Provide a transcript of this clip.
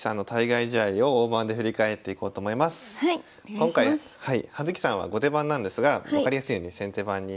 今回葉月さんは後手番なんですが分かりやすいように先手番にしました。